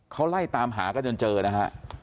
เขาไล่ตามหากันจนเจอนะฮะ